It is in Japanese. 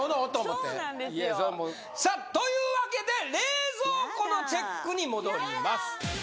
そうなんですよさあというわけで冷蔵庫のチェックに戻ります